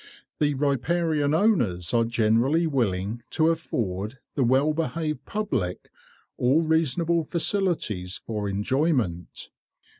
The riparian owners are generally willing to afford the well behaved public all reasonable facilities for enjoyment.